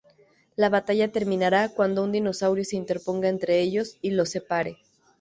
La batalla terminará cuando un dinosaurio se interponga entre ellos y los separe.